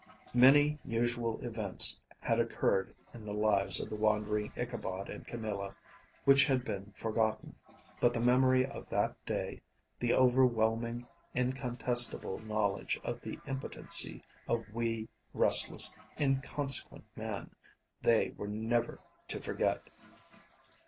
Many usual events had occurred in the lives of the wandering Ichabod and Camilla, which had been forgotten; but the memory of that day, the overwhelming, incontestible knowledge of the impotency of wee, restless, inconsequent man, they were never to forget.